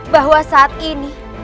bahwa saat ini